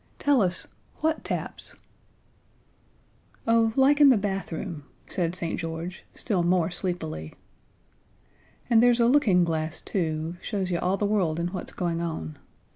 "Tell us what taps?" "Oh, like in the bathroom," said St. George, still more sleepily. "And there's a looking glass, too; shows you all the world and what's going on. St.